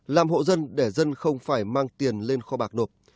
làm hộ dân để dân không phải mang tiền lên kho bạc nộp